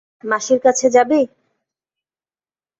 মাসির কাছে যাবি?